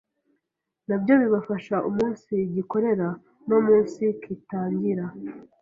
nabyo bibafasha umunsigikorera no umunsikitangira